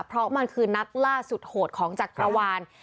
เพราะมันคือนัดล่าสุดโหดของจักรวาล